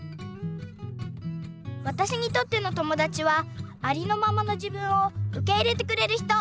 わたしにとっての友だちはありのままの自分をうけ入れてくれる人！